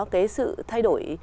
cái sự thay đổi